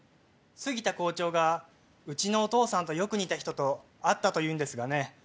杉田校長がうちのお父さんとよく似た人と会ったと言うんですがね